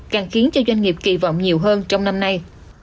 càng khiến cho doanh nghiệp kỳ vọng nhiều hơn trong năm nay